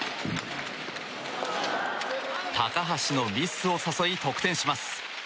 高橋のミスを誘い得点します。